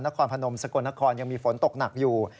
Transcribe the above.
พนมสกลนครยังมีฝนตกหนักอยู่